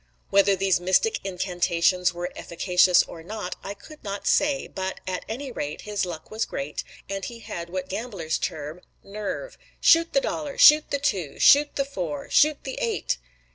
Whether these mystic incantations were efficacious or not I could not say, but, at any rate, his luck was great, and he had what gamblers term "nerve." "Shoot the dollar!" "Shoot the two!" "Shoot the four!" "Shoot the eight!"